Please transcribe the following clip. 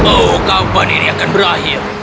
oh kapan ini akan berakhir